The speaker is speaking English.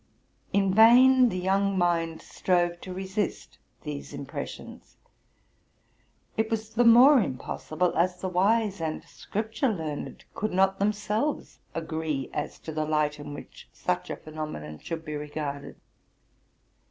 In vain the young mind strove to resist these impressions. It was the more impossible, as the wise and scripture learned could not themselves agree as to the light in which such a phenomenon should be regarded.